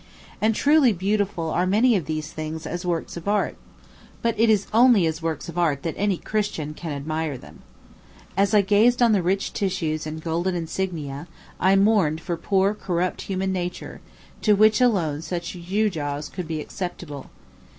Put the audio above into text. And truly beautiful are many of these things as works of art; but it is only as works of art that any Christian can admire them. As I gazed on the rich tissues and golden insignia, I mourned for poor corrupt human nature, to which alone such gewgaws could be acceptable.